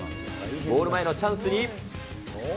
ゴール前のチャンスに。